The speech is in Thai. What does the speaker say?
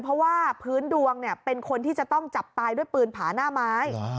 เพราะว่าพื้นดวงเป็นคนที่จะต้องจับตายด้วยปืนผาหน้าไม้